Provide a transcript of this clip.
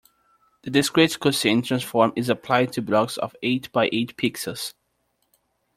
The discrete cosine transform is applied to blocks of eight by eight pixels.